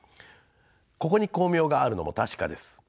ここに光明があるのも確かです。